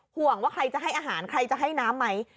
ห่วงว่าใครจะให้อาหารใครจะให้น้ำไหม